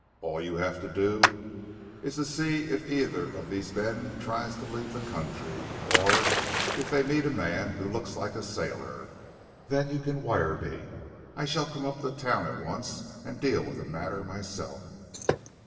All you have to do, is to see if either of these men tries to leave the country, or if they meet a man who looks like a sailor. Then you can wire me. I shall come up to town at once and deal with the matter myself."